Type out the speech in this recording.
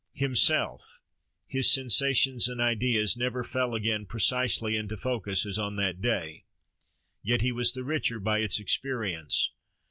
Himself—his sensations and ideas—never fell again precisely into focus as on that day, yet he was the richer by its experience.